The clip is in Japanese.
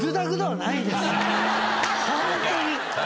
ホントに。